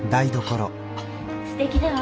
すてきだわ。